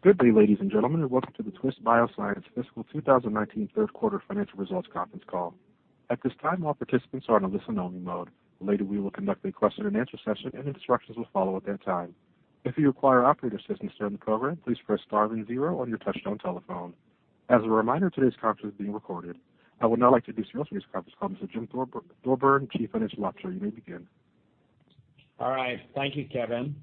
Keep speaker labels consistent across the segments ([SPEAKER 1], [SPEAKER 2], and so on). [SPEAKER 1] Good day, ladies and gentlemen, and welcome to the Twist Bioscience fiscal 2019 third quarter financial results conference call. At this time, all participants are in a listen only mode. Later, we will conduct a question and answer session, and instructions will follow at that time. If you require operator assistance during the program, please press star and zero on your touchtone telephone. As a reminder, today's conference is being recorded. I would now like to introduce to this conference call Mr. James Thorburn, Chief Financial Officer. You may begin.
[SPEAKER 2] All right. Thank you, Kevin.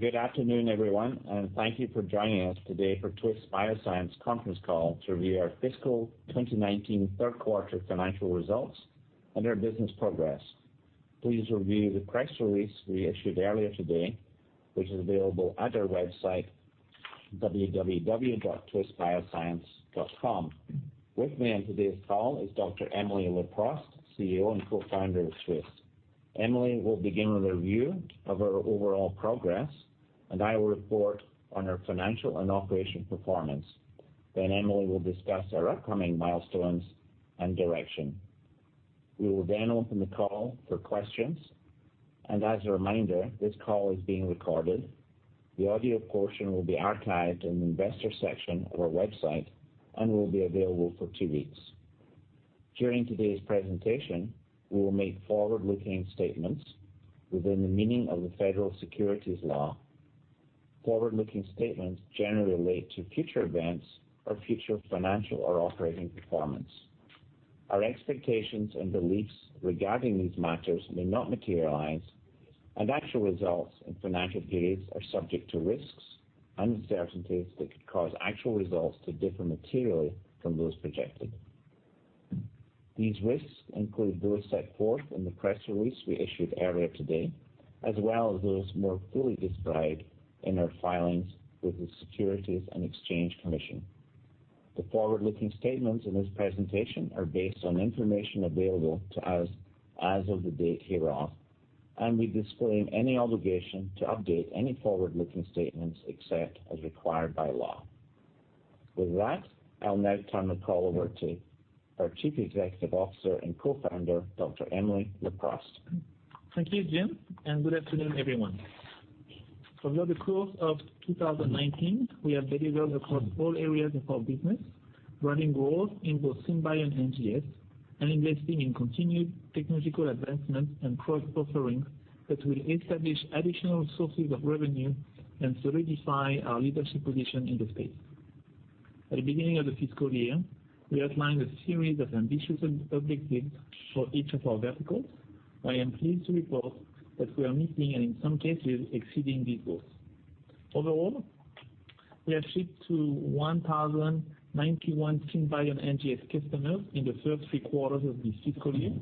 [SPEAKER 2] Good afternoon, everyone, and thank you for joining us today for Twist Bioscience conference call to review our fiscal 2019 third quarter financial results and our business progress. Please review the press release we issued earlier today, which is available at our website, www.twistbioscience.com. With me on today's call is Dr. Emily Leproust, CEO and co-founder of Twist. Emily will begin with a review of our overall progress, and I will report on our financial and operational performance. Emily will discuss our upcoming milestones and direction. We will then open the call for questions. As a reminder, this call is being recorded. The audio portion will be archived in the investor section of our website and will be available for two weeks. During today's presentation, we will make forward-looking statements within the meaning of the Federal Securities Law. Forward-looking statements generally relate to future events or future financial or operating performance. Our expectations and beliefs regarding these matters may not materialize, and actual results and financial gains are subject to risks, uncertainties that could cause actual results to differ materially from those projected. These risks include those set forth in the press release we issued earlier today, as well as those more fully described in our filings with the Securities and Exchange Commission. The forward-looking statements in this presentation are based on information available to us as of the date hereof. We disclaim any obligation to update any forward-looking statements except as required by law. With that, I'll now turn the call over to our Chief Executive Officer and co-founder, Dr. Emily Leproust.
[SPEAKER 3] Thank you, Jim, good afternoon, everyone. Over the course of 2019, we have delivered across all areas of our business, driving growth in both SynBio and NGS, and investing in continued technological advancements and product offerings that will establish additional sources of revenue and solidify our leadership position in the space. At the beginning of the fiscal year, we outlined a series of ambitious objectives for each of our verticals. I am pleased to report that we are meeting, and in some cases, exceeding these goals. Overall, we have shipped to 1,091 SynBio NGS customers in the first three quarters of this fiscal year,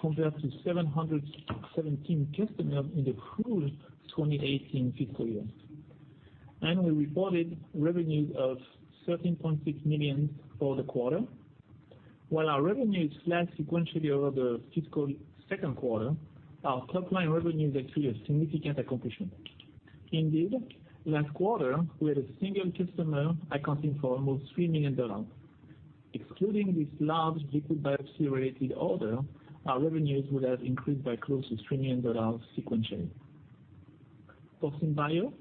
[SPEAKER 3] compared to 717 customers in the full 2018 fiscal year. Annual reported revenues of $13.6 million for the quarter. While our revenues flat sequentially over the fiscal second quarter, our top line revenue is actually a significant accomplishment. Indeed, last quarter, we had a single customer accounting for almost $3 million. Excluding this large liquid biopsy-related order, our revenues would have increased by close to $3 million sequentially. For SynBio,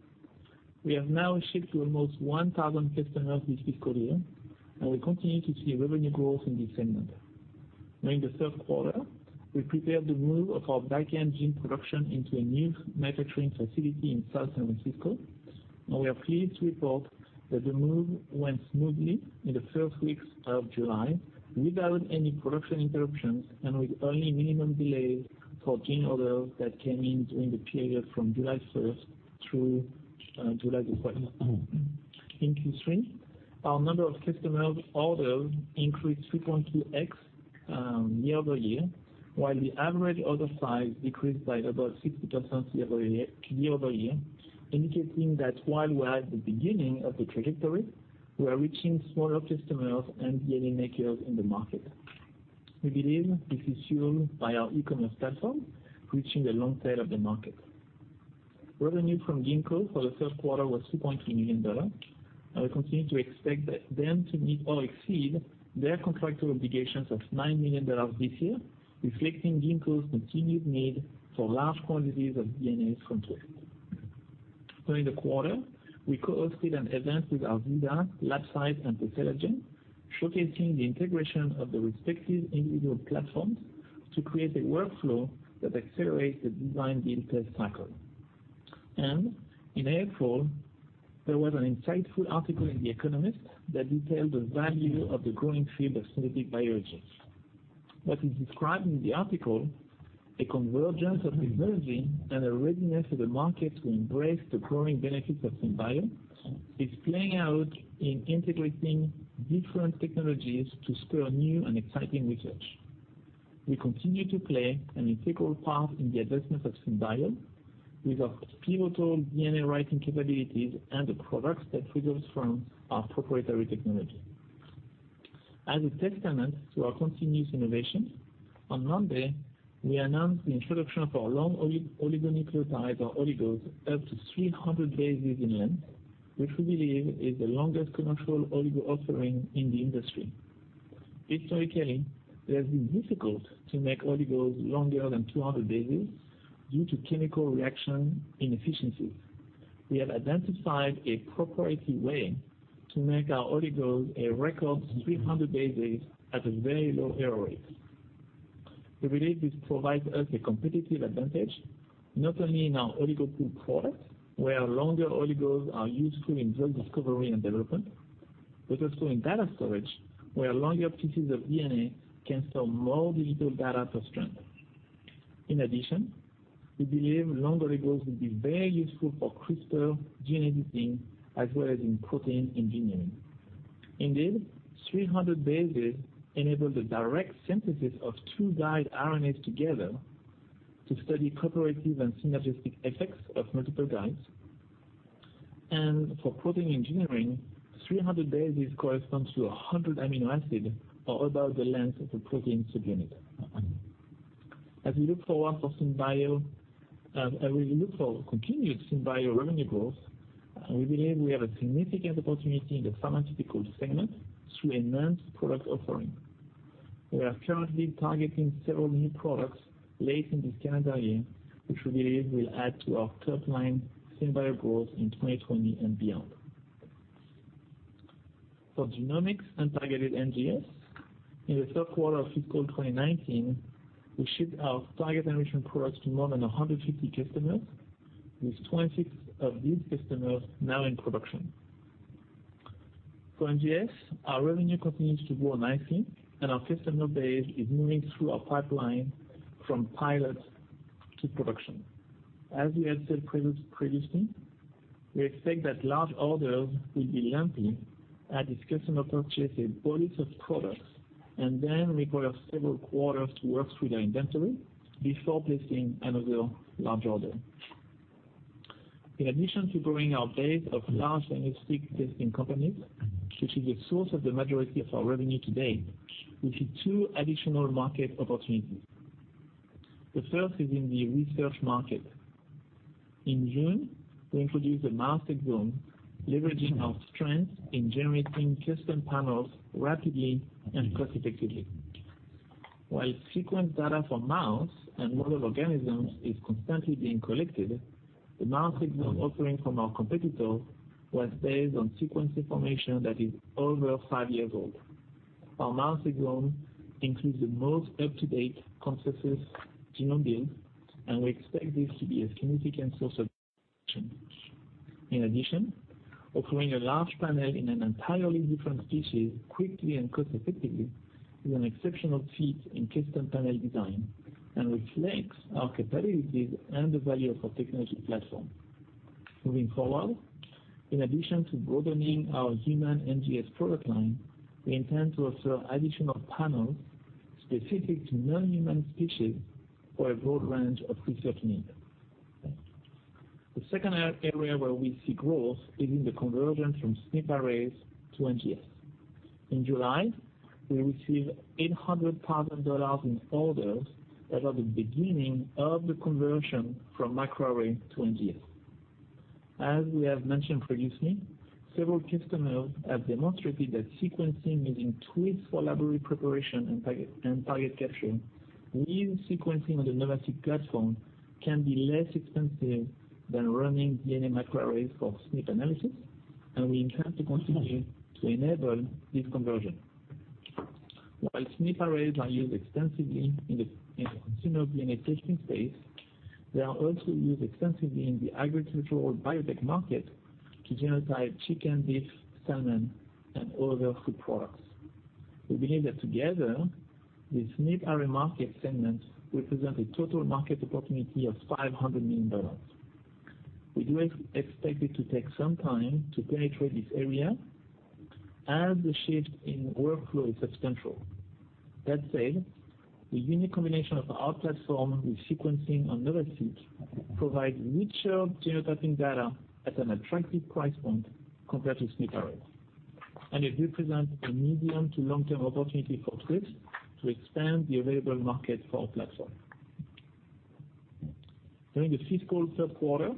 [SPEAKER 3] we have now shipped to almost 1,000 customers this fiscal year, and we continue to see revenue growth in this segment. During the third quarter, we prepared the move of our backend gene production into a new manufacturing facility in San Francisco, and we are pleased to report that the move went smoothly in the first weeks of July without any production interruptions and with only minimum delays for gene orders that came in during the period from July 1st through July 21st. In Q3, our number of customers orders increased 2.2x year-over-year, while the average order size decreased by about 60% year-over-year, indicating that while we are at the beginning of the trajectory, we are reaching smaller customers and DNA makers in the market. We believe this is fueled by our e-commerce platform, reaching the long tail of the market. Revenue from Ginkgo for the third quarter was $2.2 million. We continue to expect them to meet or exceed their contractual obligations of $9 million this year, reflecting Ginkgo's continued need for large quantities of DNA synthesis. During the quarter, we co-hosted an event with Azenta, Labcyte, and Teselagen, showcasing the integration of the respective individual platforms to create a workflow that accelerates the design-build-test cycle. In April, there was an insightful article in The Economist that detailed the value of the growing field of synthetic biology. What is described in the article, a convergence of technology and a readiness of the market to embrace the growing benefits of SynBio, is playing out in integrating different technologies to spur new and exciting research. We continue to play an integral part in the advancement of SynBio with our pivotal DNA writing capabilities and the products that result from our proprietary technology. As a testament to our continuous innovation, on Monday, we announced the introduction of our long oligonucleotides, or oligos, up to 300 bases in length, which we believe is the longest commercial oligo offering in the industry. Historically, it has been difficult to make oligos longer than 200 bases due to chemical reaction inefficiencies. We have identified a proprietary way to make our oligos a record 300 bases at a very low error rate. We believe this provides us a competitive advantage, not only in our Oligo Pool product, where longer oligos are useful in drug discovery and development, but also in data storage, where longer pieces of DNA can store more digital data per strand. In addition, we believe long oligos will be very useful for CRISPR gene editing, as well as in protein engineering. Indeed, 300 bases enable the direct synthesis of two guide RNAs together to study cooperative and synergistic effects of multiple guides. For protein engineering, 300 bases corresponds to 100 amino acids, or about the length of a protein subunit. As we look for continued SynBio revenue growth, we believe we have a significant opportunity in the pharmaceutical segment through enhanced product offering. We are currently targeting several new products late in this calendar year, which we believe will add to our top line SynBio growth in 2020 and beyond. For genomics and targeted NGS, in the third quarter of fiscal 2019, we shipped our target enrichment products to more than 150 customers, with 26 of these customers now in production. For NGS, our revenue continues to grow nicely, and our customer base is moving through our pipeline from pilot to production. As we have said previously, we expect that large orders will be lumpy, as these customer purchase a bulk of products and then require several quarters to work through their inventory before placing another large order. In addition to growing our base of large analytics testing companies, which is the source of the majority of our revenue today, we see two additional market opportunities. The first is in the research market. In June, we introduced a Mouse Exome, leveraging our strength in generating custom panels rapidly and cost-effectively. While sequence data for mouse and model organisms is constantly being collected, the Mouse Exome offering from our competitor was based on sequence information that is over five years old. Our Mouse Exome includes the most up-to-date consensus genome build, and we expect this to be a significant source of traction. In addition, offering a large panel in an entirely different species quickly and cost-effectively is an exceptional feat in custom panel design and reflects our capabilities and the value of our technology platform. Moving forward, in addition to broadening our human NGS product line, we intend to offer additional panels specific to non-human species for a broad range of research needs. The second area where we see growth is in the conversion from SNP arrays to NGS. In July, we received $800,000 in orders that are the beginning of the conversion from microarray to NGS. As we have mentioned previously, several customers have demonstrated that sequencing using Twist for library preparation and target capture with sequencing on the NovaSeq platform can be less expensive than running DNA microarrays for SNP analysis, and we intend to continue to enable this conversion. While SNP arrays are used extensively in the consumer genetic testing space, they are also used extensively in the agricultural biotech market to genotype chicken, beef, salmon, and other food products. We believe that together, these SNP array market segments represent a total market opportunity of $500 million. We do expect it to take some time to penetrate this area as the shift in workflow is substantial. That said, the unique combination of our platform with sequencing on NovaSeq provides richer genotyping data at an attractive price point compared to SNP arrays. It represents a medium to long-term opportunity for Twist to expand the available market for our platform. During the fiscal third quarter,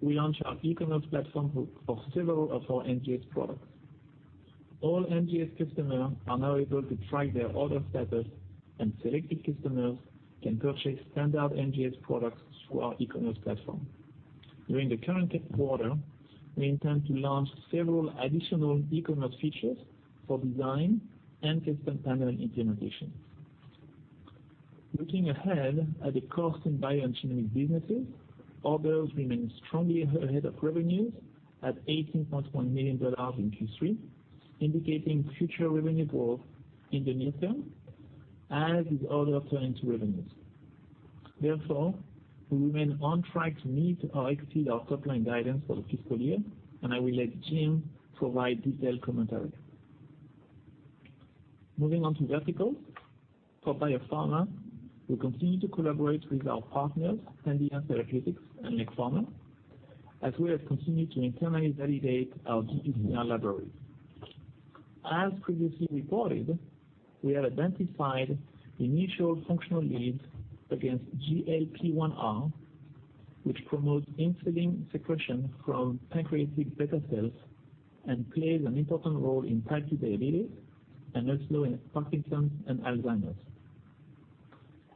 [SPEAKER 3] we launched our e-commerce platform for several of our NGS products. All NGS customers are now able to track their order status, and selected customers can purchase standard NGS products through our e-commerce platform. During the current quarter, we intend to launch several additional e-commerce features for design and custom panel implementation. Looking ahead at the cost in bio and genomic businesses, orders remain strongly ahead of revenues at $18.1 million in Q3, indicating future revenue growth in the near term, as these orders turn into revenues. Therefore, we remain on track to meet or exceed our top-line guidance for the fiscal year, and I will let Jim provide detailed commentary. Moving on to verticals. For biopharma, we continue to collaborate with our partners, Pandion Therapeutics and LakePharma, as we have continued to internally validate our GPCR library. As previously reported, we have identified initial functional leads against GLP-1R, which promotes insulin secretion from pancreatic beta cells and plays an important role in type 2 diabetes and also in Parkinson's and Alzheimer's.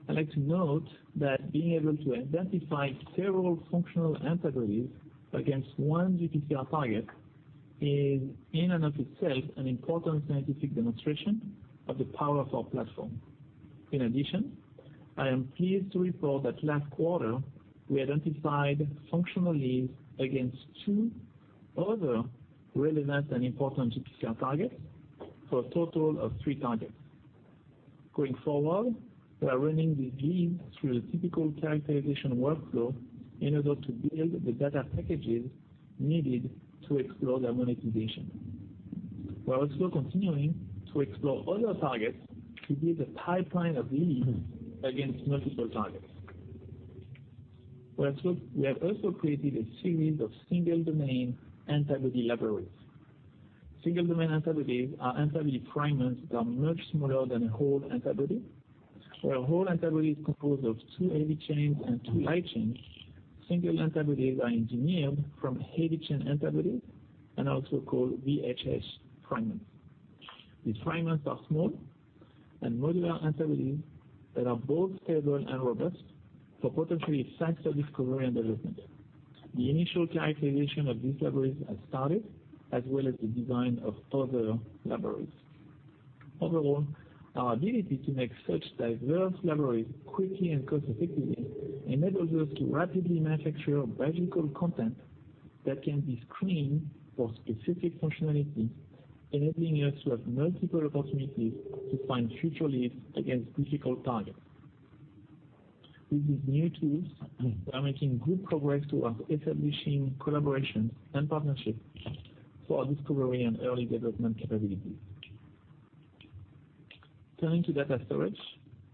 [SPEAKER 3] I'd like to note that being able to identify several functional antibodies against one GPCR target is in and of itself an important scientific demonstration of the power of our platform. In addition, I am pleased to report that last quarter, we identified functional leads against two other relevant and important GPCR targets for a total of three targets. Going forward, we are running these leads through a typical characterization workflow in order to build the data packages needed to explore their monetization. We're also continuing to explore other targets to build a pipeline of leads against multiple targets. We have also created a series of single-domain antibody libraries. Single domain antibodies are antibody fragments that are much smaller than a whole antibody. Where a whole antibody is composed of two heavy chains and two light chains, single antibodies are engineered from heavy chain antibodies and also called VHH fragments. These fragments are small and modular antibodies that are both stable and robust for potentially faster discovery and development. The initial characterization of these libraries has started, as well as the design of other libraries. Overall, our ability to make such diverse libraries quickly and cost effectively enables us to rapidly manufacture biological content that can be screened for specific functionality, enabling us to have multiple opportunities to find future leads against difficult targets. With these new tools, we are making good progress towards establishing collaborations and partnerships for our discovery and early development capabilities. Turning to data storage,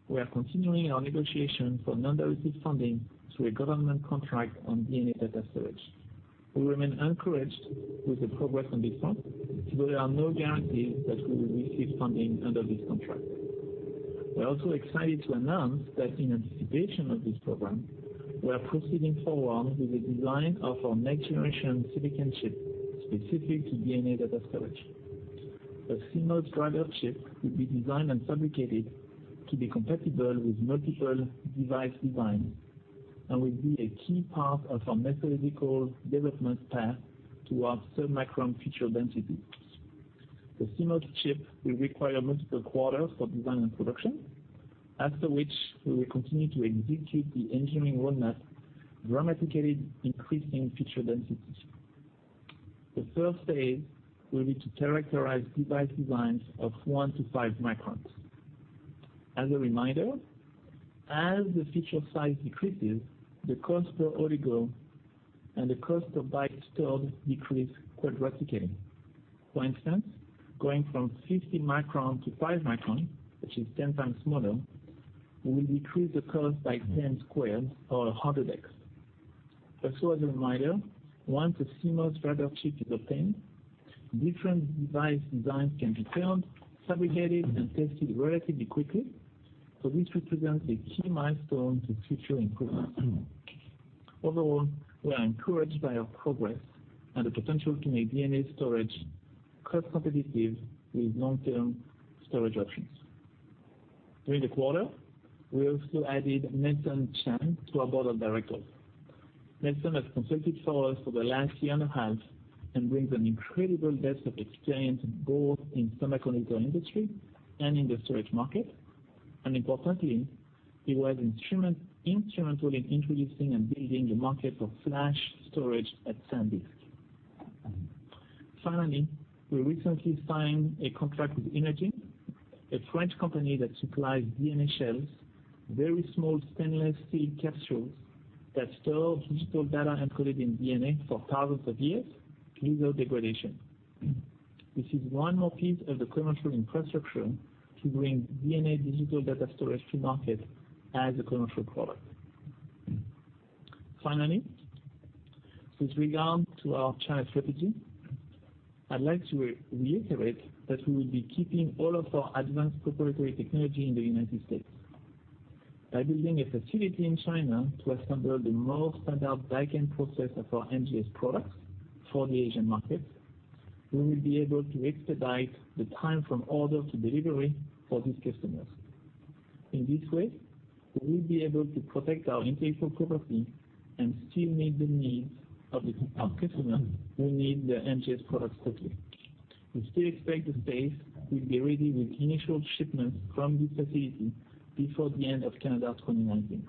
[SPEAKER 3] we are continuing our negotiation for non-dilutive funding through a government contract on DNA Data Storage. We remain encouraged with the progress on this front, though there are no guarantees that we will receive funding under this contract. We are also excited to announce that in anticipation of this program, we are proceeding forward with the design of our next generation silicon chip specific to DNA Data Storage. A CMOS driver chip will be designed and fabricated to be compatible with multiple device designs and will be a key part of our methodological development path towards submicron feature density. The CMOS chip will require multiple quarters for design and production, after which we will continue to execute the engineering roadmap, dramatically increasing feature density. The first phase will be to characterize device designs of 1 to 5 microns. As a reminder, as the feature size decreases, the cost per oligo and the cost of bytes stored decrease quadratically. For instance, going from 50 micron to 5 micron, which is 10 times smaller, will decrease the cost by 10 squared or 100x. Also as a reminder, once a CMOS driver chip is obtained, different device designs can be turned, fabricated, and tested relatively quickly. This represents a key milestone to future improvements. Overall, we are encouraged by our progress and the potential to make DNA storage cost competitive with long-term storage options. During the quarter, we also added Nelson Chan to our board of directors. Nelson has consulted for us for the last year and a half and brings an incredible depth of experience, both in semiconductor industry and in the storage market. Importantly, he was instrumental in introducing and building the market for flash storage at SanDisk. Finally, we recently signed a contract with Imagene, a French company that supplies DNAshells, very small stainless steel capsules that store digital data encoded in DNA for thousands of years without degradation. This is one more piece of the commercial infrastructure to bring DNA digital data storage to market as a commercial product. Finally, with regard to our China strategy, I'd like to reiterate that we will be keeping all of our advanced proprietary technology in the United States. By building a facility in China to assemble the more standard backend process of our NGS products for the Asian markets, we will be able to expedite the time from order to delivery for these customers. In this way, we will be able to protect our intellectual property and still meet the needs of our customers who need their NGS products quickly. We still expect the space will be ready with initial shipments from this facility before the end of calendar 2019.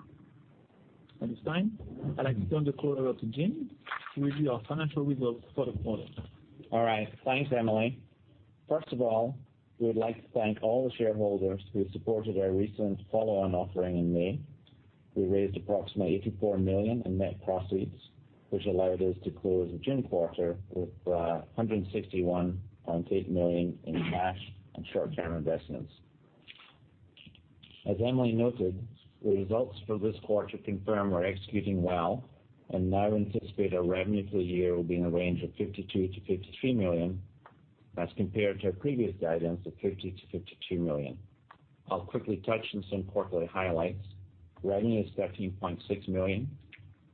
[SPEAKER 3] At this time, I'd like to turn the call over to Jim to review our financial results for the quarter.
[SPEAKER 2] All right. Thanks, Emily. First of all, we would like to thank all the shareholders who supported our recent follow-on offering in May. We raised approximately $84 million in net proceeds, which allowed us to close the June quarter with $161.8 million in cash and short-term investments. As Emily noted, the results for this quarter confirm we're executing well and now anticipate our revenue for the year will be in a range of $52 million-$53 million. As compared to our previous guidance of $50 million-$52 million. I'll quickly touch on some quarterly highlights. Revenue is $13.6 million.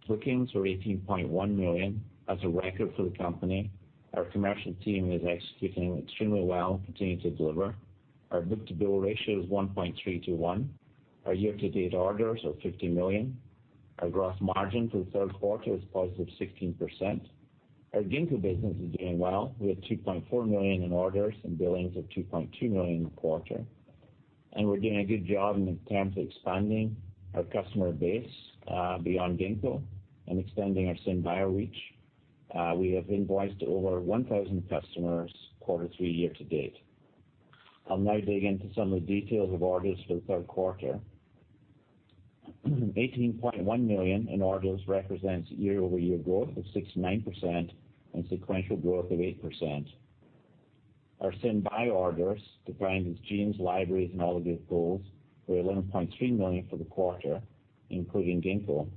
[SPEAKER 2] Bookings were $18.1 million. That's a record for the company. Our commercial team is executing extremely well, continuing to deliver. Our book-to-bill ratio is 1.3:1. Our year-to-date orders are $50 million. Our gross margin for the third quarter is positive 16%. Our Ginkgo business is doing well. We have $2.4 million in orders and billings of $2.2 million in the quarter, and we're doing a good job in terms of expanding our customer base beyond Ginkgo and extending our SynBio reach. We have invoiced over 1,000 customers quarter three year to date. I'll now dig into some of the details of orders for the third quarter. $18.1 million in orders represents year-over-year growth of 69% and sequential growth of 8%. Our SynBio orders, defined as genes, libraries and all of the tools, were $11.3 million for the quarter, including Ginkgo.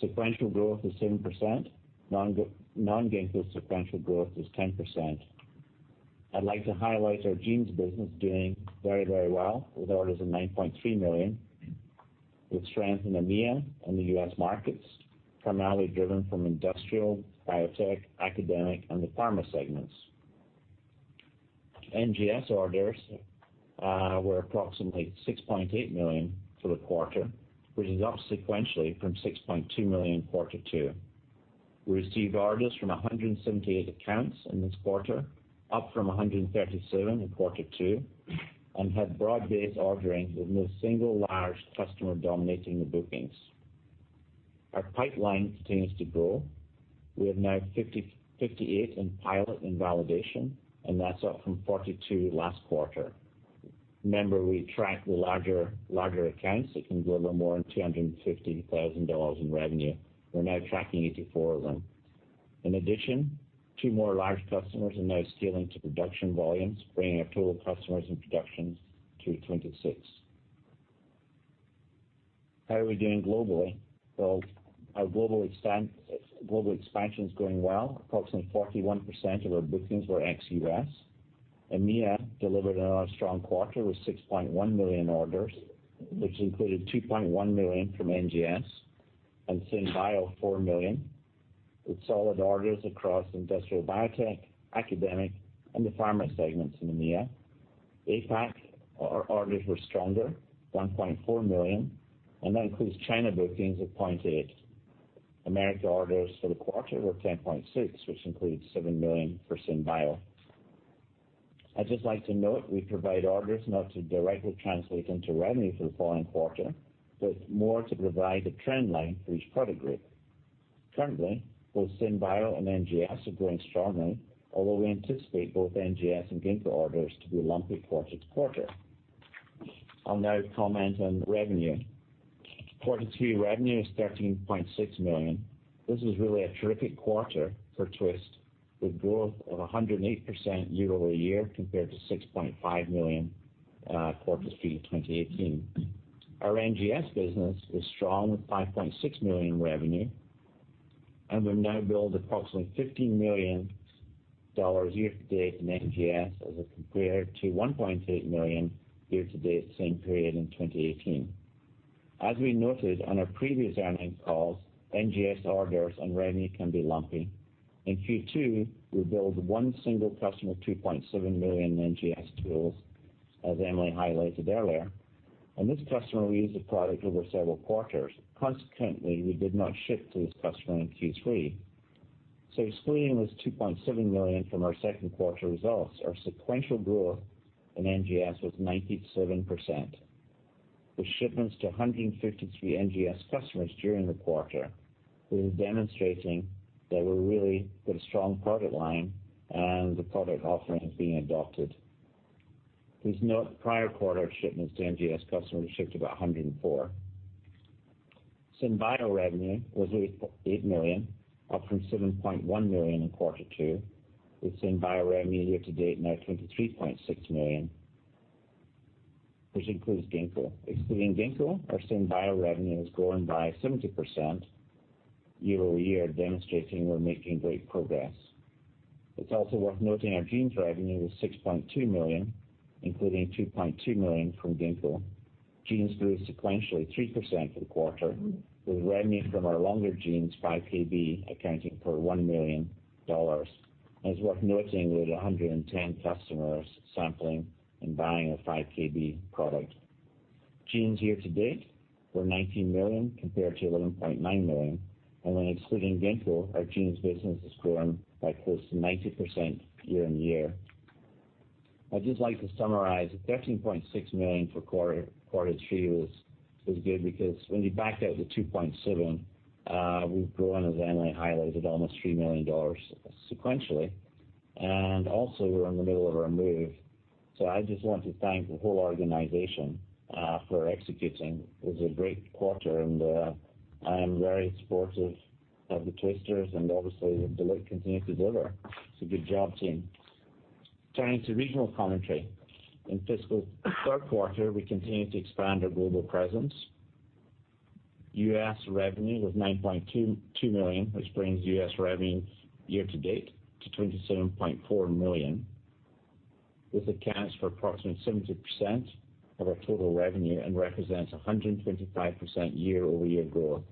[SPEAKER 2] Sequential growth was 7%. Non-Ginkgo sequential growth was 10%. I'd like to highlight our genes business doing very well, with orders of $9.3 million, with strength in EMEA and the U.S. markets, primarily driven from industrial, biotech, academic and the pharma segments. NGS orders were approximately $6.8 million for the quarter, which is up sequentially from $6.2 million in quarter two. We received orders from 178 accounts in this quarter, up from 137 in quarter two, and had broad-based ordering with no single large customer dominating the bookings. Our pipeline continues to grow. We have now 58 in pilot and validation, and that's up from 42 last quarter. Remember, we track the larger accounts that can deliver more than $250,000 in revenue. We're now tracking 84 of them. In addition, two more large customers are now scaling to production volumes, bringing our total customers in production to 26. How are we doing globally? Well, our global expansion is going well. Approximately 41% of our bookings were ex-U.S. EMEA delivered another strong quarter with $6.1 million orders, which included $2.1 million from NGS and SynBio, $4 million, with solid orders across industrial biotech, academic and the pharma segments in EMEA. That includes China bookings of $0.8. America orders for the quarter were $10.6, which includes $7 million for SynBio. I'd just like to note, we provide orders not to directly translate into revenue for the following quarter, but more to provide a trend line for each product group. Currently, both SynBio and NGS are growing strongly, although we anticipate both NGS and Ginkgo orders to be lumpy quarter-to-quarter. I'll now comment on the revenue. Quarter three revenue is $13.6 million. This was really a terrific quarter for Twist, with growth of 108% year-over-year compared to $6.5 million, quarter three of 2018. Our NGS business was strong with $5.6 million revenue. We've now billed approximately $15 million year-to-date in NGS as compared to $1.8 million year-to-date same period in 2018. As we noted on our previous earnings calls, NGS orders and revenue can be lumpy. In Q2, we billed one single customer, $2.7 million in NGS tools, as Emily highlighted earlier. This customer will use the product over several quarters. Consequently, we did not ship to this customer in Q3. Excluding this $2.7 million from our second quarter results, our sequential growth in NGS was 97%, with shipments to 153 NGS customers during the quarter. This is demonstrating that we're really got a strong product line and the product offering is being adopted. Please note, prior quarter shipments to NGS customers shipped about 104. SynBio revenue was $8 million, up from $7.1 million in quarter two, with SynBio revenue year to date now $23.6 million, which includes Ginkgo. Excluding Ginkgo, our SynBio revenue has grown by 70% year-over-year, demonstrating we're making great progress. It's also worth noting our genes revenue was $6.2 million, including $2.2 million from Ginkgo. Genes grew sequentially 3% for the quarter, with revenue from our longer genes 5kb accounting for $1 million. It's worth noting we had 110 customers sampling and buying a 5kb product. Genes year to date were $19 million compared to $11.9 million, when excluding Ginkgo, our genes business has grown by close to 90% year on year. I'd just like to summarize, $13.6 million for quarter three was good because when you back out the $2.7, we've grown, as Emily highlighted, almost $3 million sequentially, and also we're in the middle of our move. I just want to thank the whole organization for executing. It was a great quarter and I am very supportive of the Twisters and obviously we'll delight to continue to deliver. Good job, team. Turning to regional commentary. In fiscal third quarter, we continued to expand our global presence. U.S. revenue was $9.2 million, which brings U.S. revenue year-to-date to $27.4 million. This accounts for approximately 70% of our total revenue and represents 125% year-over-year growth.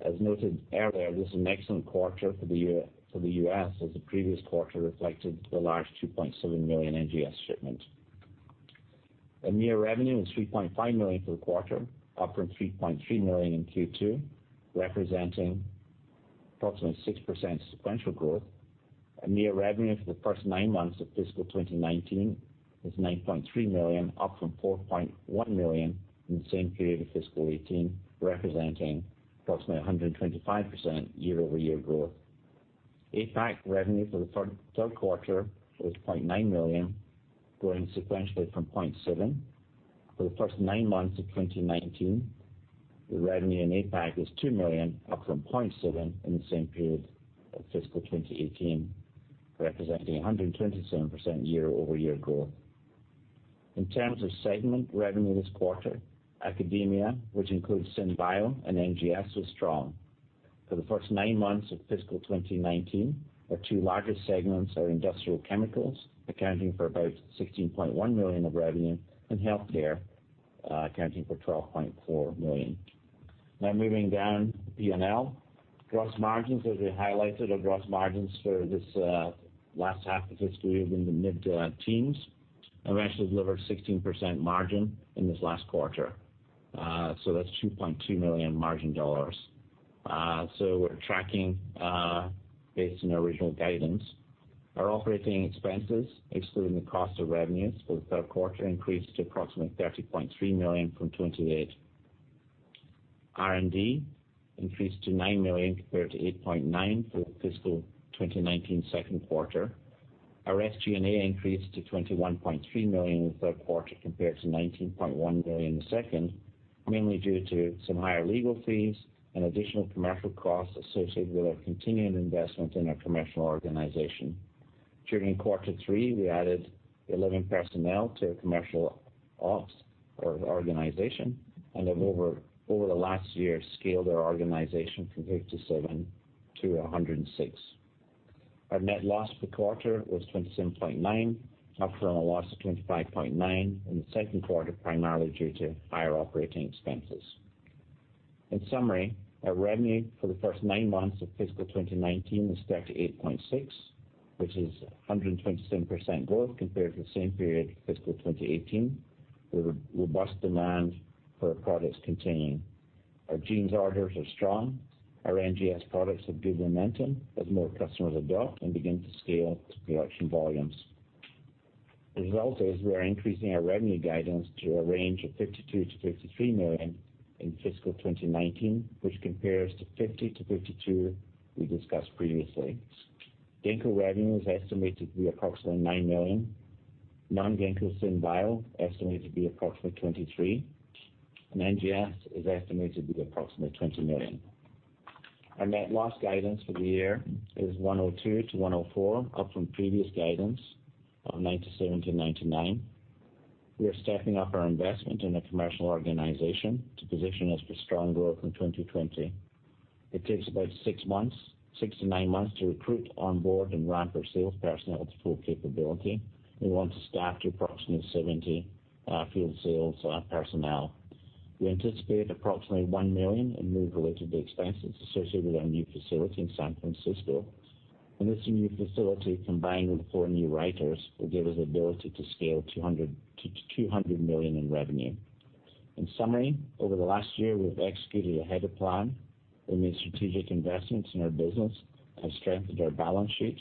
[SPEAKER 2] As noted earlier, this is an excellent quarter for the U.S., as the previous quarter reflected the large 2.7 million NGS shipment. EMEA revenue was $3.5 million for the quarter, up from $3.3 million in Q2, representing approximately 6% sequential growth. EMEA revenue for the first nine months of fiscal 2019 was $9.3 million, up from $4.1 million in the same period of fiscal 2018, representing approximately 125% year-over-year growth. APAC revenue for the third quarter was $0.9 million, growing sequentially from $0.7 million. For the first nine months of 2019, the revenue in APAC was $2 million, up from $0.7 million in the same period of fiscal 2018, representing 127% year-over-year growth. In terms of segment revenue this quarter, academia, which includes SynBio and NGS, was strong. For the first nine months of fiscal 2019, our two largest segments are industrial chemicals, accounting for about $16.1 million of revenue, and healthcare, accounting for $12.4 million. Moving down the P&L. Gross margins, as we highlighted, our gross margins for this last half of the fiscal year have been in the mid teens and we actually delivered 16% margin in this last quarter. That's $2.2 million in margin dollars. We're tracking, based on our original guidance. Our operating expenses, excluding the cost of revenues for the third quarter, increased to approximately $30.3 million from $28 million. R&D increased to $9 million compared to $8.9 million for the fiscal 2019 second quarter. Our SG&A increased to $21.3 million in the third quarter compared to $19.1 million in the second, mainly due to some higher legal fees and additional commercial costs associated with our continuing investment in our commercial organization. During quarter three, we added 11 personnel to our commercial ops or organization and have over the last year, scaled our organization from 57 to 106. Our net loss per quarter was $27.9 million, up from a loss of $25.9 million in the second quarter, primarily due to higher operating expenses. In summary, our revenue for the first nine months of FY2019 was $38.6 million, which is 127% growth compared to the same period FY2018, with a robust demand for our products continuing. Our genes orders are strong. Our NGS products have good momentum as more customers adopt and begin to scale to production volumes. The result is we are increasing our revenue guidance to a range of $52 million-$53 million in fiscal 2019, which compares to $50 million-$52 million we discussed previously. Ginkgo revenue is estimated to be approximately $9 million. Non-Ginkgo SynBio, estimated to be approximately $23 million. NGS is estimated to be approximately $20 million. Our net loss guidance for the year is $102 million-$104 million, up from previous guidance of $97 million-$99 million. We are stepping up our investment in the commercial organization to position us for strong growth in 2020. It takes about six to nine months to recruit, onboard, and ramp our sales personnel to full capability. We want to staff to approximately 70 field sales personnel. We anticipate approximately $1 million in move-related expenses associated with our new facility in San Francisco. This new facility, combined with four new writers, will give us the ability to scale to $200 million in revenue. In summary, over the last year, we've executed ahead of plan and made strategic investments in our business, have strengthened our balance sheet.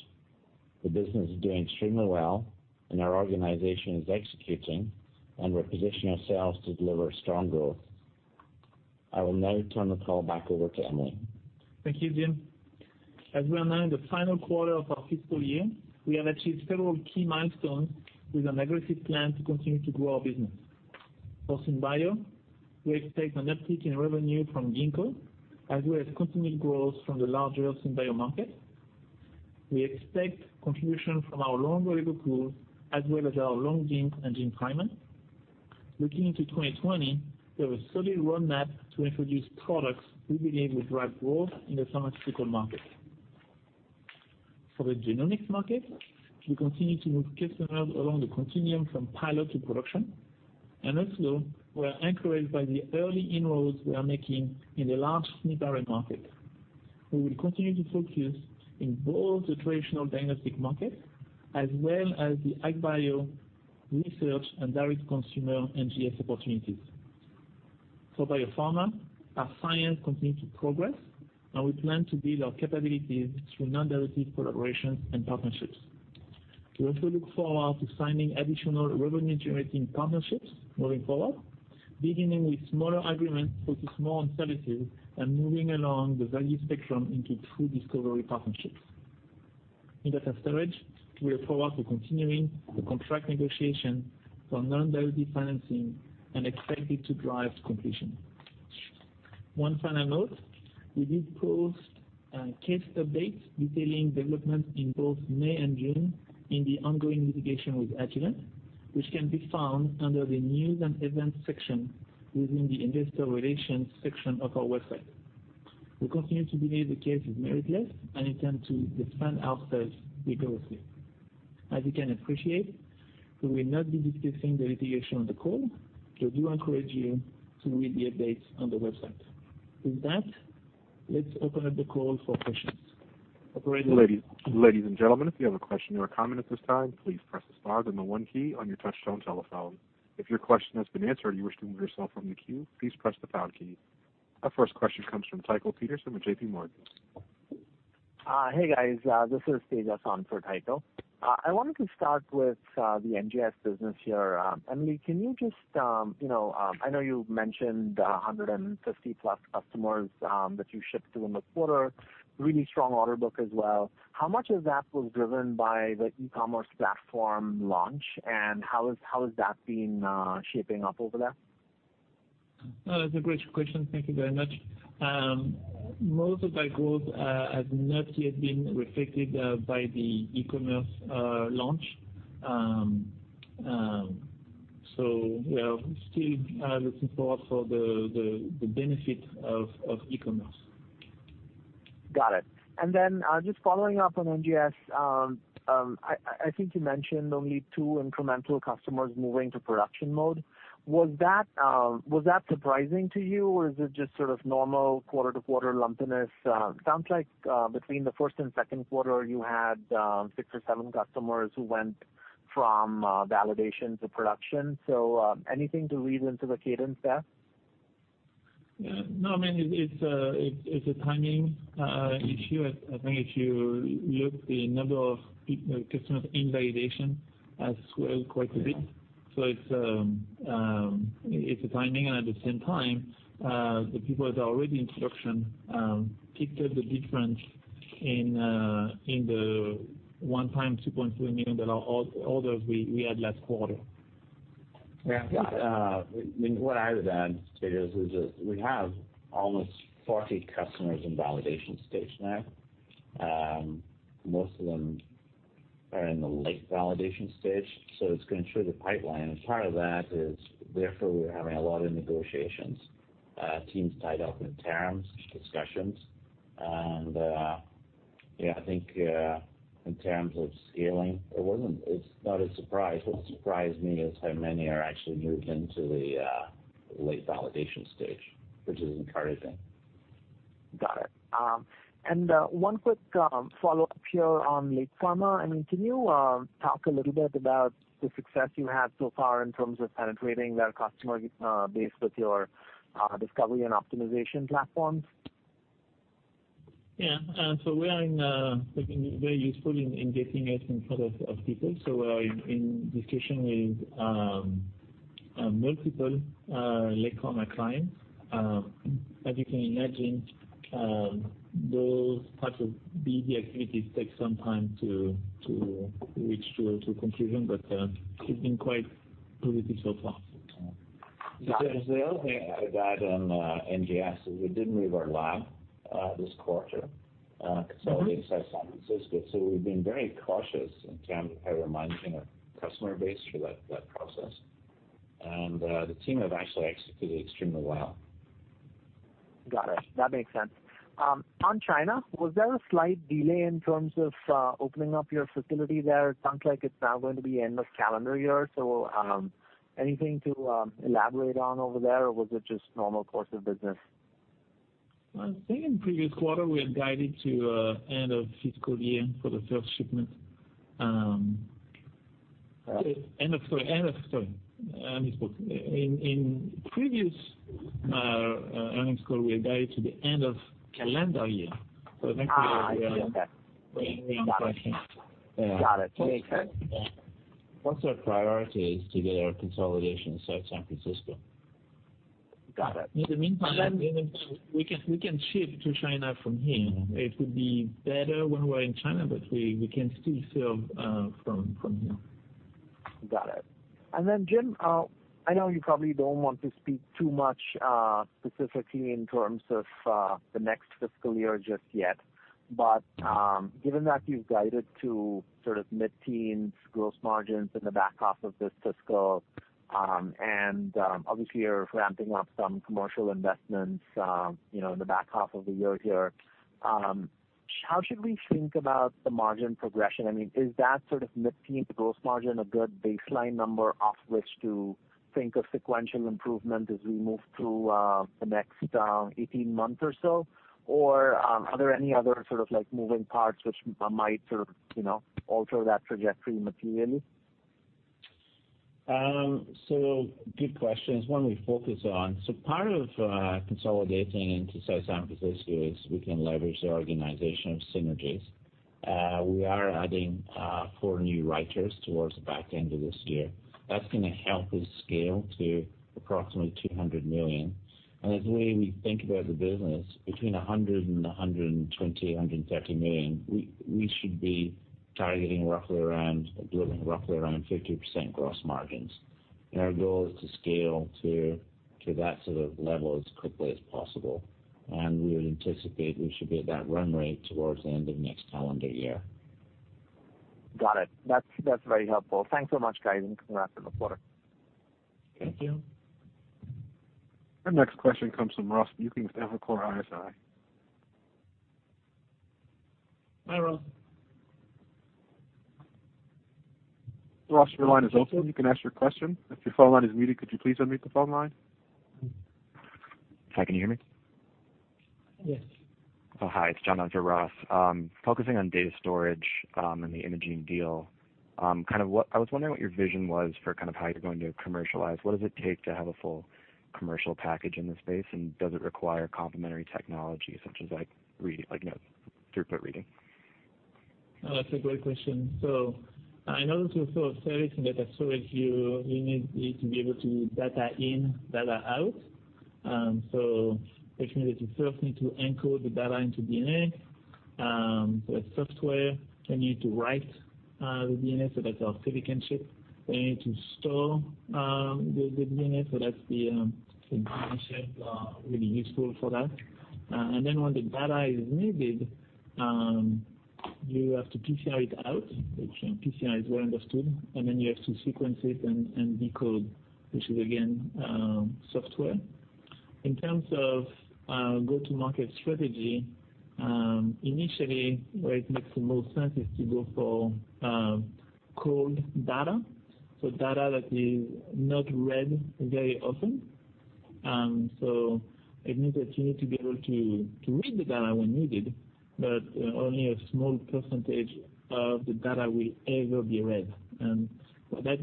[SPEAKER 2] The business is doing extremely well and our organization is executing, and we're positioning ourselves to deliver strong growth. I will now turn the call back over to Emily.
[SPEAKER 3] Thank you, Jim. As we are now in the final quarter of our fiscal year, we have achieved several key milestones with an aggressive plan to continue to grow our business. For SynBio, we expect an uptick in revenue from Ginkgo, as well as continued growth from the larger SynBio markets. We expect contribution from our long oligo pool as well as our long gene and gene fragment. Looking into 2020, we have a solid roadmap to introduce products we believe will drive growth in the pharmaceutical market. For the genomics market, we continue to move customers along the continuum from pilot to production, and also we are encouraged by the early inroads we are making in the large SNP array market. We will continue to focus in both the traditional diagnostic market as well as the ag bio research and direct consumer NGS opportunities. For biopharma, our science continues to progress, and we plan to build our capabilities through non-dilutive collaborations and partnerships. We also look forward to signing additional revenue-generating partnerships moving forward, beginning with smaller agreements focused more on services and moving along the value spectrum into true discovery partnerships. In data storage, we look forward to continuing the contract negotiations for non-dilutive financing and expect it to drive to completion. One final note. We did post a case update detailing developments in both May and June in the ongoing litigation with Agilent, which can be found under the News and Events section within the Investor Relations section of our website. We continue to believe the case is meritless and intend to defend ourselves vigorously. As you can appreciate, we will not be discussing the litigation on the call. We do encourage you to read the updates on the website. With that, let's open up the call for questions. Operator?
[SPEAKER 1] Ladies and gentlemen, if you have a question or a comment at this time, please press star then the one key on your touchtone telephone. If your question has been answered and you wish to remove yourself from the queue, please press the pound key. Our first question comes from Tycho Peterson with J.P. Morgan.
[SPEAKER 4] Hey, guys. This is Tejas on for Tycho. I wanted to start with the NGS business here. Emily, I know you've mentioned the 150+ customers that you shipped to in the quarter, really strong order book as well. How much of that was driven by the e-commerce platform launch, and how has that been shaping up over there?
[SPEAKER 3] That's a great question. Thank you very much. Most of that growth has not yet been reflected by the e-commerce launch. We are still looking forward for the benefit of e-commerce.
[SPEAKER 4] Got it. Just following up on NGS, I think you mentioned only two incremental customers moving to production mode. Was that surprising to you, or is it just sort of normal quarter-to-quarter lumpiness? It sounds like between the first and second quarter, you had six or seven customers who went from validation to production. Anything to read into the cadence there?
[SPEAKER 3] No, it's a timing issue. I think if you look, the number of customers in validation has grown quite a bit. It's a timing, and at the same time, the people that are already in production kicked in the difference in the one-time $2.3 million orders we had last quarter.
[SPEAKER 2] Yeah. What I would add to Tejas is just we have almost 40 customers in validation stage now. Most of them are in the late validation stage, it's going through the pipeline. Part of that is, therefore, we're having a lot of negotiations, teams tied up in terms, discussions. Yeah, I think in terms of scaling, it's not a surprise. What surprised me is how many are actually moved into the late validation stage, which is encouraging.
[SPEAKER 4] Got it. One quick follow-up here on LakePharma. Can you talk a little bit about the success you had so far in terms of penetrating their customer base with your discovery and optimization platforms?
[SPEAKER 3] Yeah. We are looking very useful in getting it in front of people. We are in discussion with multiple LakePharma clients. As you can imagine, those types of BD activities take some time to reach to a conclusion, but it's been quite positive so far.
[SPEAKER 4] Got it.
[SPEAKER 2] Tejas, the other thing I'd add on NGS is we did move our lab this quarter, consolidating South San Francisco. We've been very cautious in terms of how we're managing our customer base through that process. The team have actually executed extremely well.
[SPEAKER 4] Got it. That makes sense. On China, was there a slight delay in terms of opening up your facility there? It sounds like it's now going to be end of calendar year. Anything to elaborate on over there, or was it just normal course of business?
[SPEAKER 3] I think in previous quarter, we had guided to end of fiscal year for the first shipment. Sorry, I misspoke. In previous earnings call, we had guided to the end of calendar year.
[SPEAKER 4] yes. Okay
[SPEAKER 3] waiting one question.
[SPEAKER 4] Got it. Okay.
[SPEAKER 2] Once our priority is to get our consolidation in South San Francisco.
[SPEAKER 4] Got it.
[SPEAKER 3] In the meantime, we can ship to China from here. It would be better when we're in China, but we can still serve from here.
[SPEAKER 4] Got it. Jim, I know you probably don't want to speak too much specifically in terms of the next fiscal year just yet, but given that you've guided to sort of mid-teens gross margins in the back half of this fiscal, obviously you're ramping up some commercial investments in the back half of the year here, how should we think about the margin progression? Is that sort of mid-teen gross margin a good baseline number off which to think of sequential improvement as we move through the next 18 months or so? Are there any other sort of moving parts which might sort of alter that trajectory materially?
[SPEAKER 2] Good question. It is one we focus on. Part of consolidating into South San Francisco is we can leverage the organization of synergies. We are adding four new writers towards the back end of this year. That is going to help us scale to approximately $200 million. As we think about the business, between $100 million and $120 million, $130 million, we should be targeting delivering roughly around 50% gross margins. Our goal is to scale to that sort of level as quickly as possible. We would anticipate we should be at that run rate towards the end of next calendar year.
[SPEAKER 4] Got it. That's very helpful. Thanks so much, guys, and congrats on the quarter.
[SPEAKER 3] Thank you.
[SPEAKER 1] Our next question comes from Ross Muken with Evercore ISI.
[SPEAKER 3] Hi, Ross.
[SPEAKER 1] Ross, your line is open. You can ask your question. If your phone line is muted, could you please unmute the phone line?
[SPEAKER 5] Hi, can you hear me?
[SPEAKER 3] Yes.
[SPEAKER 5] Oh, hi. It's John. Ross. Focusing on data storage, and the Imagene deal. I was wondering what your vision was for how you're going to commercialize. What does it take to have a full commercial package in this space, and does it require complementary technology such as throughput reading?
[SPEAKER 3] Oh, that's a great question. In order to sort of service data storage, you need to be able to data in, data out. Actually, you first need to encode the data into DNA. A software can need to write the DNA, so that's our silicon chip. We need to store the DNA, so that's the DNAshell, really useful for that. When the data is needed, you have to PCR it out, which PCR is well understood, and then you have to sequence it and decode, which is again, software. In terms of go-to-market strategy, initially, where it makes the most sense is to go for cold data. Data that is not read very often. It means that you need to be able to read the data when needed, but only a small percentage of the data will ever be read. What that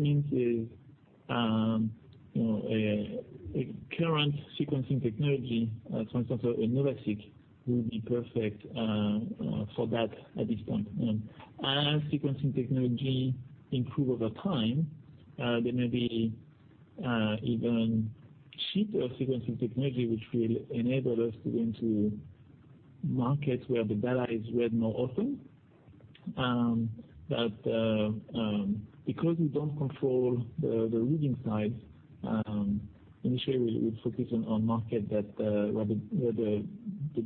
[SPEAKER 3] means is, a current sequencing technology, for instance, a NovaSeq, will be perfect for that at this point. As sequencing technology improve over time, there may be even cheaper sequencing technology, which will enable us to go into markets where the data is read more often. Because we don't control the reading side, initially, we'll focus on market where the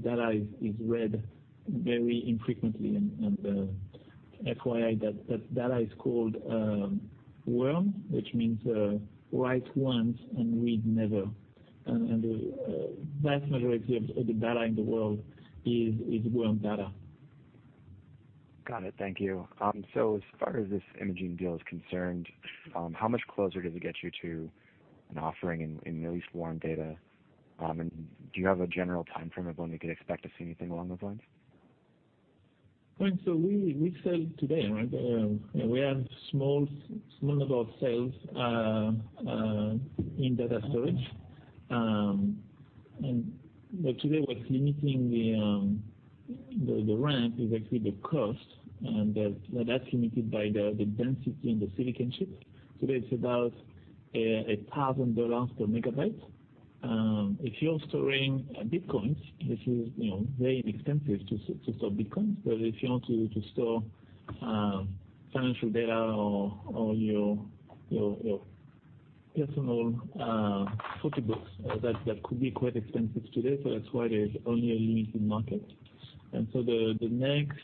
[SPEAKER 3] data is read very infrequently. FYI, that data is called WORM, which means write once and read never. The vast majority of the data in the world is WORM data.
[SPEAKER 5] Got it. Thank you. As far as this Imagene deal is concerned, how much closer does it get you to an offering in at least WORM data? Do you have a general timeframe of when we could expect to see anything along those lines?
[SPEAKER 3] Right. We sell today, right? We have small level of sales in data storage. Actually, what's limiting the ramp is actually the cost, and that's limited by the density in the silicon chip. Today, it's about $1,000 per megabyte. If you're storing bitcoins, this is very expensive to store bitcoins. If you want to store financial data or your personal photo books that could be quite expensive today. That's why there's only a limited market. The next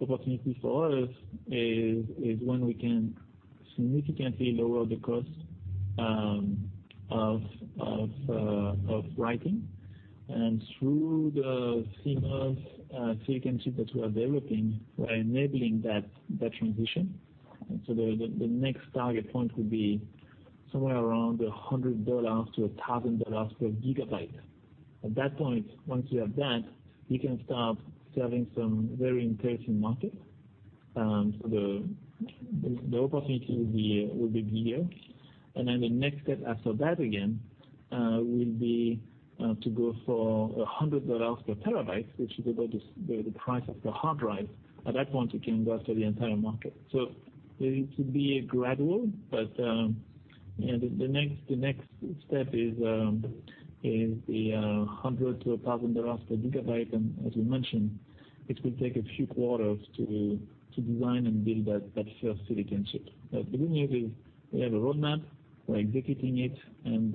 [SPEAKER 3] opportunity for us is when we can significantly lower the cost of writing. Through the CMOS silicon chip that we are developing, we're enabling that transition. The next target point will be somewhere around $100 to $1,000 per gigabyte. At that point, once you have that, you can start serving some very interesting market. The opportunity will be bigger. The next step after that, again, will be to go for $100 per terabyte, which is about the price of the hard drive. At that point, you can go after the entire market. It will be gradual, but the next step is the $100 to $1,000 per gigabyte, and as we mentioned, it will take a few quarters to design and build that first silicon chip. The good news is we have a roadmap, we're executing it, and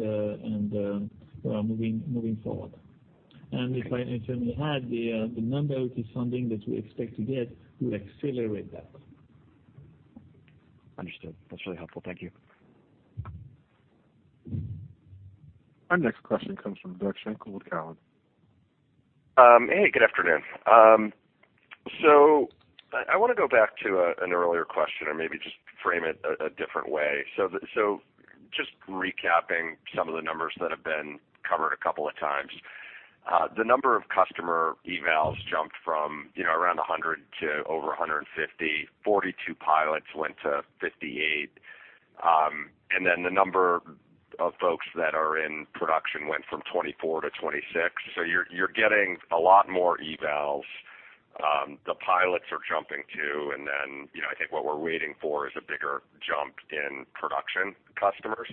[SPEAKER 3] we are moving forward. If anything we had the number of the funding that we expect to get will accelerate that.
[SPEAKER 5] Understood. That's really helpful. Thank you.
[SPEAKER 1] Our next question comes from Doug Schenkel with Cowen.
[SPEAKER 6] Hey, good afternoon. I want to go back to an earlier question or maybe just frame it a different way. Just recapping some of the numbers that have been covered a couple of times. The number of customer emails jumped from around 100 to over 150. 42 pilots went to 58. The number of folks that are in production went from 24 to 26. You're getting a lot more evals. The pilots are jumping too, I think what we're waiting for is a bigger jump in production customers.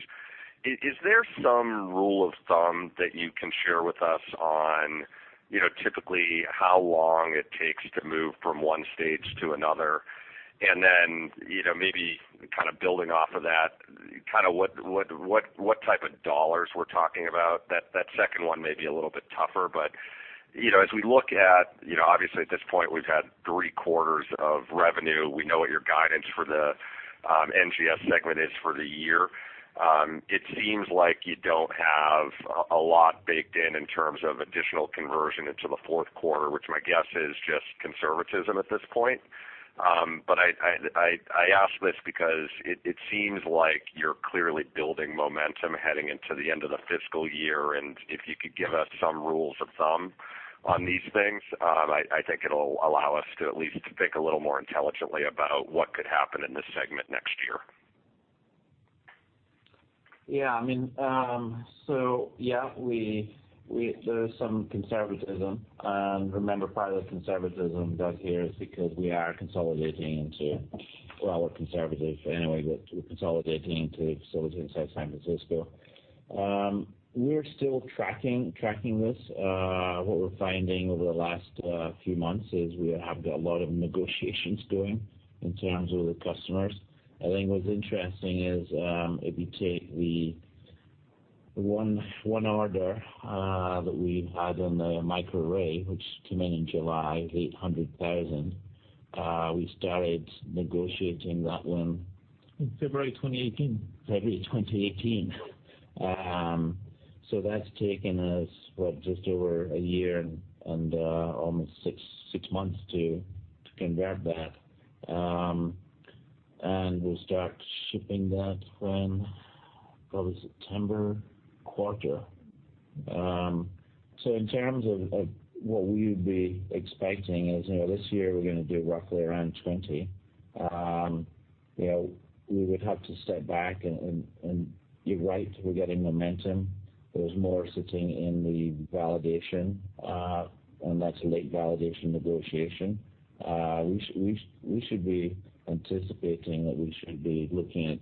[SPEAKER 6] Is there some rule of thumb that you can share with us on typically how long it takes to move from one stage to another? Maybe kind of building off of that kind of what type of dollars we're talking about. That second one may be a little bit tougher, but as we look at, obviously, at this point we've had three quarters of revenue. We know what your guidance for the NGS segment is for the year. It seems like you don't have a lot baked in terms of additional conversion into the fourth quarter, which my guess is just conservatism at this point. I ask this because it seems like you're clearly building momentum heading into the end of the fiscal year, and if you could give us some rules of thumb on these things, I think it'll allow us to at least think a little more intelligently about what could happen in this segment next year.
[SPEAKER 2] Yeah. Yeah, there's some conservatism. Remember, part of the conservatism, Doug, here is because we are consolidating into, well, we're conservative anyway, but we're consolidating to a facility inside San Francisco. We're still tracking this. What we're finding over the last few months is we have got a lot of negotiations going in terms of the customers. I think what's interesting is, if you take the one order that we've had on the microarray, which came in in July, the $800,000, we started negotiating that one.
[SPEAKER 3] In February 2018.
[SPEAKER 2] February 2018. That's taken us, what, just over a year and almost six months to convert that. We'll start shipping that from probably the September quarter. In terms of what we would be expecting is, this year we're going to do roughly around 20. We would have to step back and you're right, we're getting momentum. There's more sitting in the validation, and that's a late validation negotiation. We should be anticipating that we should be looking at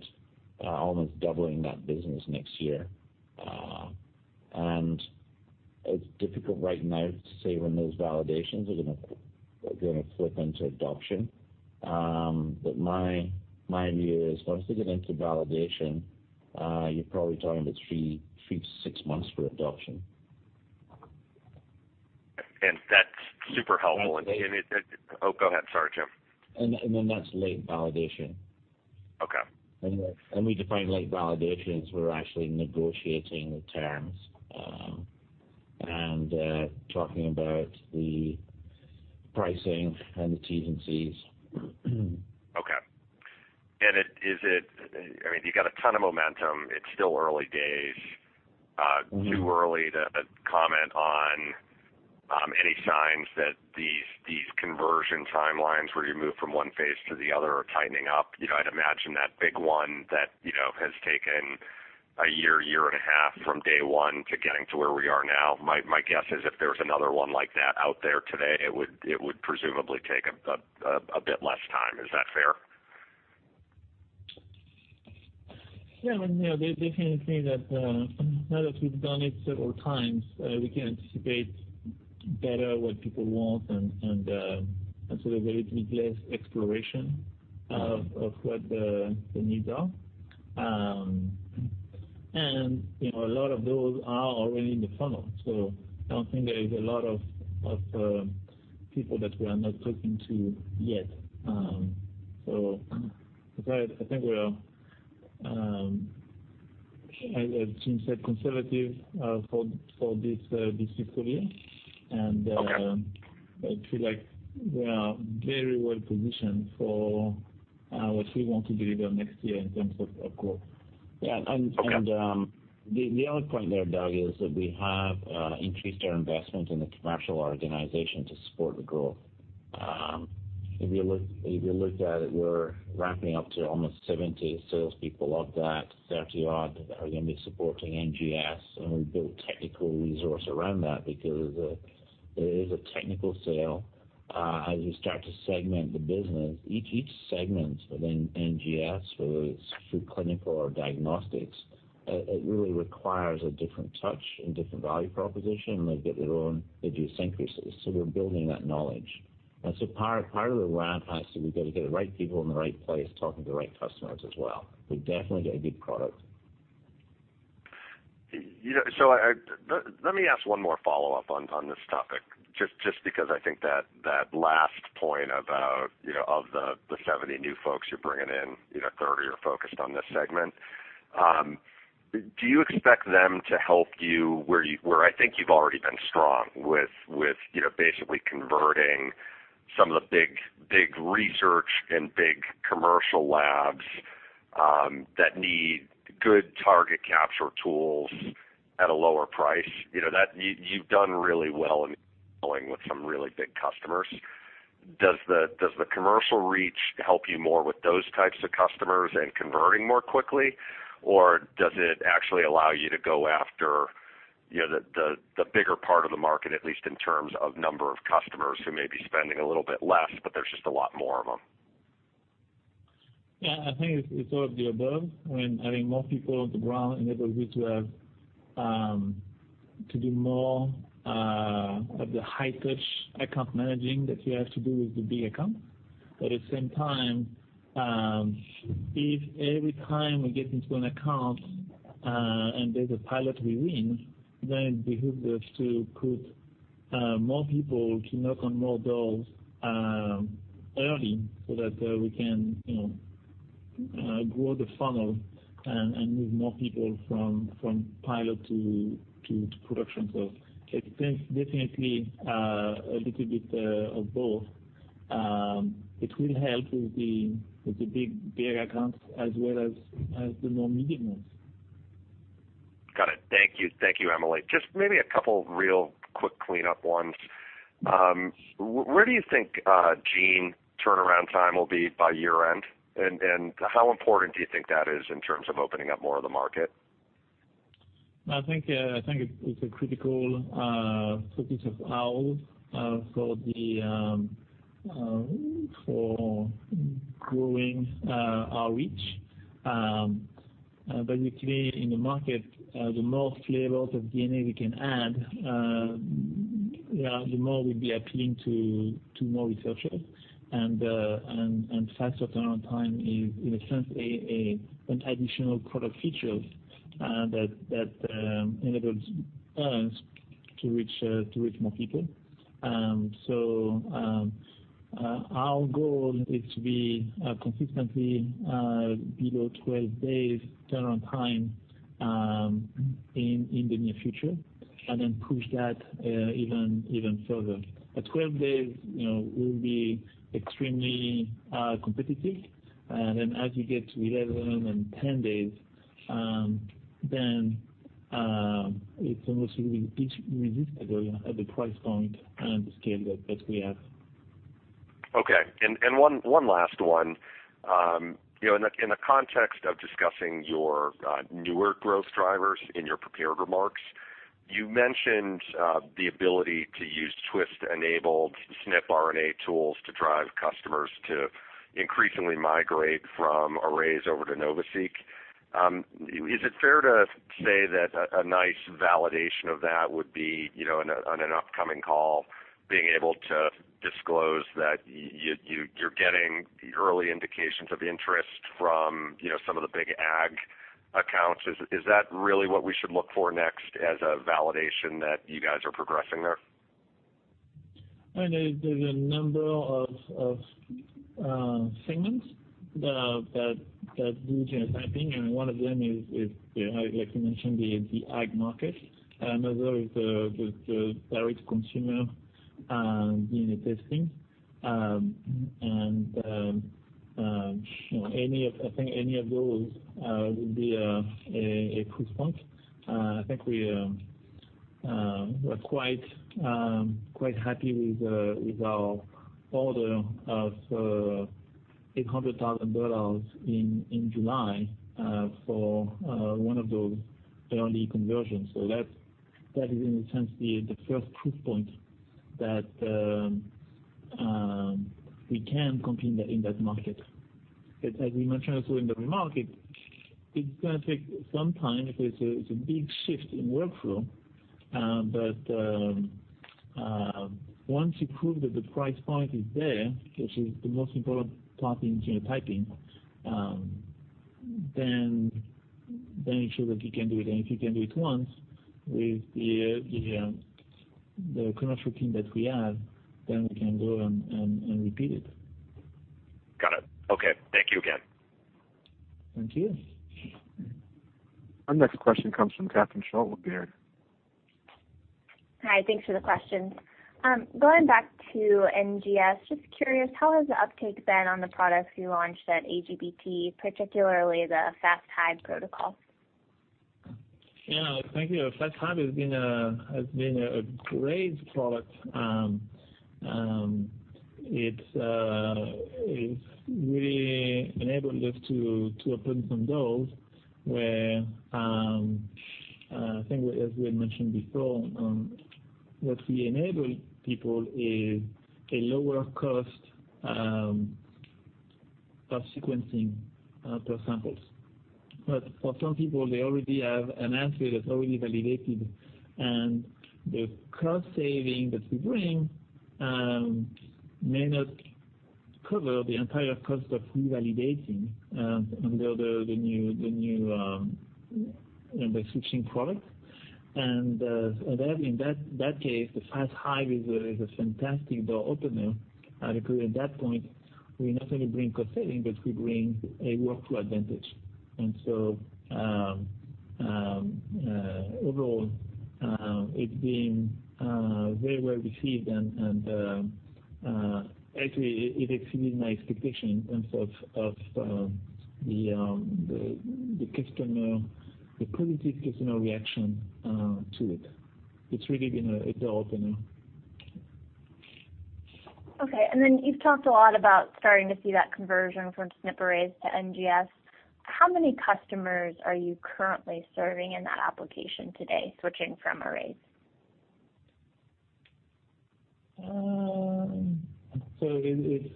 [SPEAKER 2] almost doubling that business next year. It's difficult right now to say when those validations are going to flip into adoption. My view is, once they get into validation, you're probably talking about three to six months for adoption.
[SPEAKER 6] That's super helpful. Oh, go ahead. Sorry, Jim.
[SPEAKER 2] That's late validation.
[SPEAKER 6] Okay.
[SPEAKER 2] We define late validation as we're actually negotiating the terms, and talking about the pricing and the Ts and Cs.
[SPEAKER 6] Okay. I mean, you've got a ton of momentum. It's still early days. Too early to comment on any signs that these conversion timelines where you move from one phase to the other are tightening up. I'd imagine that big one that has taken a year and a half from day one to getting to where we are now, my guess is if there's another one like that out there today, it would presumably take a bit less time. Is that fair?
[SPEAKER 3] Yeah, definitely that now that we've done it several times, we can anticipate better what people want. There's going to be less exploration of what the needs are. A lot of those are already in the funnel. I don't think there is a lot of people that we are not talking to yet. I think we are, as Jim said, conservative for this fiscal year.
[SPEAKER 6] Okay
[SPEAKER 3] I feel like we are very well positioned for what we want to deliver next year in terms of growth.
[SPEAKER 2] Yeah, the other point there, Doug, is that we have increased our investment in the commercial organization to support the growth. If you looked at it, we're ramping up to almost 70 salespeople. Of that, 30 odd are going to be supporting NGS, and we build technical resource around that because it is a technical sale. As you start to segment the business, each segment of NGS, whether it's through clinical or diagnostics, it really requires a different touch and different value proposition, and they get their own idiosyncrasies. We're building that knowledge. Part of the ramp has to be getting the right people in the right place, talking to the right customers as well. We definitely get a good product.
[SPEAKER 6] Let me ask one more follow-up on this topic, just because I think that last point about of the 70 new folks you're bringing in, 30 are focused on this segment. Do you expect them to help you where I think you've already been strong with basically converting some of the big research and big commercial labs that need good target capture tools at a lower price? You've done really well in with some really big customers. Does the commercial reach help you more with those types of customers and converting more quickly? Or does it actually allow you to go after the bigger part of the market, at least in terms of number of customers who may be spending a little bit less, but there's just a lot more of them?
[SPEAKER 3] Yeah, I think it's sort of the above, when having more people on the ground enables you to do more of the high-touch account managing that you have to do with the big accounts. At the same time, if every time we get into an account and there's a pilot we win, then it behooves us to put more people to knock on more doors early so that we can grow the funnel and move more people from pilot to production. It's definitely a little bit of both. It will help with the big accounts as well as the more medium ones.
[SPEAKER 6] Got it. Thank you, Emily. Just maybe a couple real quick cleanup ones. Where do you think gene turnaround time will be by year-end? How important do you think that is in terms of opening up more of the market?
[SPEAKER 3] I think it's a critical focus of ours for growing our reach. Basically, in the market, the more flavors of DNA we can add, the more we'll be appealing to more researchers. Faster turnaround time is, in a sense, an additional product feature that enables us to reach more people. Our goal is to be consistently below 12 days turnaround time in the near future, and then push that even further. At 12 days, we'll be extremely competitive. As you get to 11 and 10 days, then it's almost irresistible at the price point and the scale that we have.
[SPEAKER 6] Okay. One last one. In the context of discussing your newer growth drivers in your prepared remarks, you mentioned the ability to use Twist-enabled SNP array tools to drive customers to increasingly migrate from arrays over to NovaSeq. Is it fair to say that a nice validation of that would be, on an upcoming call, being able to disclose that you're getting early indications of interest from some of the big ag accounts? Is that really what we should look for next as a validation that you guys are progressing there?
[SPEAKER 3] There's a number of segments that do genotyping, and one of them is, like you mentioned, the ag market. Another is the direct-to-consumer DNA testing. I think any of those would be a proof point. I think we're quite happy with our order of $800,000 in July for one of those early conversions. That is, in a sense, the first proof point that we can compete in that market. As we mentioned also in the market, it's going to take some time because it's a big shift in workflow. Once you prove that the price point is there, which is the most important part in genotyping, then it shows that we can do it. If we can do it once with the commercial team that we have, then we can go and repeat it.
[SPEAKER 6] Got it. Okay. Thank you again.
[SPEAKER 3] Thank you.
[SPEAKER 1] Our next question comes from Catherine Schulte, Baird.
[SPEAKER 7] Hi, thanks for the questions. Going back to NGS, just curious, how has the uptake been on the products you launched at AGBT, particularly the Fast Hyb protocol?
[SPEAKER 3] Yeah, thank you. Fast Hyb has been a great product. It's really enabled us to open some doors where, I think as we had mentioned before, what we enable people is a lower cost of sequencing per samples. For some people, they already have an assay that's already validated, and the cost saving that we bring may not cover the entire cost of revalidating under the new switching product. In that case, the Fast Hyb is a fantastic door opener because at that point, we not only bring cost saving, but we bring a workflow advantage. Overall, it's been very well received, and actually, it exceeded my expectation in terms of the positive customer reaction to it. It's really been a door opener.
[SPEAKER 7] Okay. You've talked a lot about starting to see that conversion from SNP arrays to NGS. How many customers are you currently serving in that application today, switching from arrays?
[SPEAKER 3] It's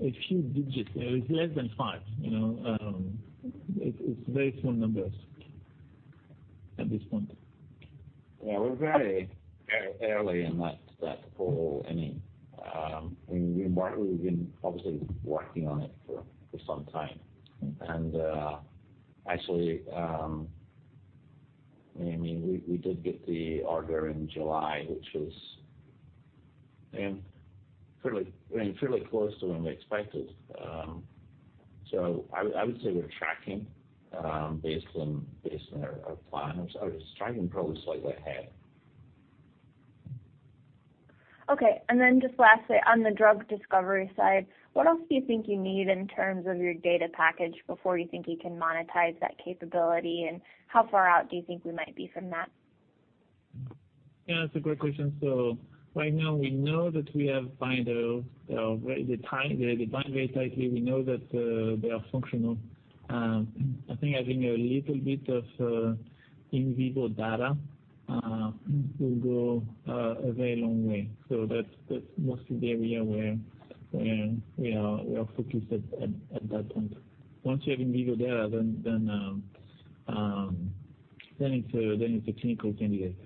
[SPEAKER 3] a few digits. It's less than five. It's very small numbers at this point.
[SPEAKER 2] Yeah, we're very early in that. We've been obviously working on it for some time. Actually, we did get the order in July, which was fairly close to when we expected. I would say we're tracking based on our plans, probably slightly ahead.
[SPEAKER 7] Okay, just lastly, on the drug discovery side, what else do you think you need in terms of your data package before you think you can monetize that capability? How far out do you think we might be from that?
[SPEAKER 3] Yeah, that's a great question. Right now we know that we have binders. They are very tightly bound. We know that they are functional. I think having a little bit of in vivo data will go a very long way. That's mostly the area where we are focused at that point. Once you have in vivo data, it's a clinical candidate.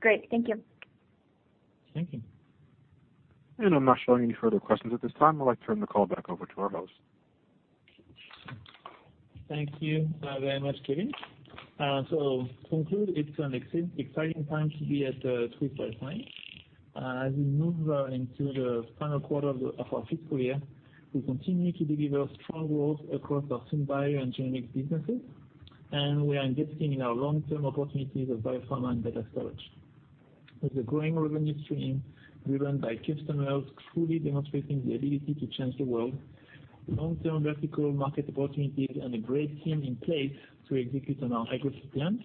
[SPEAKER 7] Great. Thank you.
[SPEAKER 3] Thank you.
[SPEAKER 1] I'm not showing any further questions at this time. I'd like to turn the call back over to our host.
[SPEAKER 3] Thank you very much, Kevin. To conclude, it's an exciting time to be at Twist Bioscience. As we move into the final quarter of our fiscal year, we continue to deliver strong growth across our SynBio and Genomics businesses, and we are investing in our long-term opportunities of Biopharma and Data Storage. With a growing revenue stream driven by customers truly demonstrating the ability to change the world, long-term vertical market opportunities, and a great team in place to execute on our aggressive plans,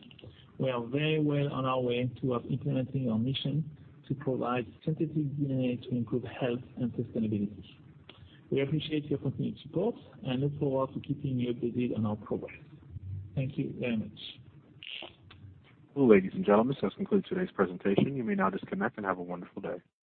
[SPEAKER 3] we are very well on our way towards implementing our mission to provide synthetic DNA to improve health and sustainability. We appreciate your continued support and look forward to keeping you updated on our progress. Thank you very much.
[SPEAKER 1] Well, ladies and gentlemen, this does conclude today's presentation. You may now disconnect, and have a wonderful day.